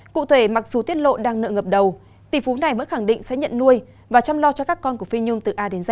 cụ thể mặc dù tiết lộ đang nợ ngập đầu tỷ phú này vẫn khẳng định sẽ nhận nuôi và chăm lo cho các con của phi nhung từ a đến sáu